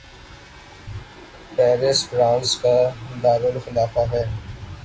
Paris France کا دارلخلافہ ہے